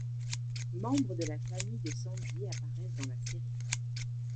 Membres de la famille de Sandi apparaissant dans la série.